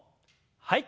はい。